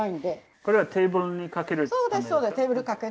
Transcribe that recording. これはテーブルにかける。